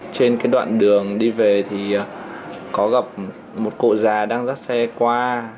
trên cái đoạn đường đi về thì có gặp một cụ già đang dắt xe qua